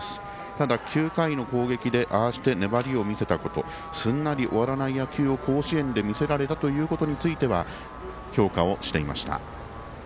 ただ、９回の攻撃でああして粘りを見せたことすんなり終わらない野球を甲子園で見せられたことについては評価していました。